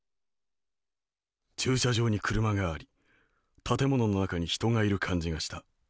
「駐車場に車があり建物の中に人がいる感じがした。